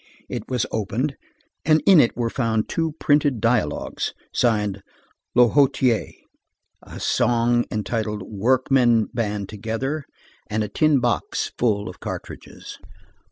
It was opened, and in it were found two printed dialogues, signed Lahautière, a song entitled: "Workmen, band together," and a tin box full of cartridges.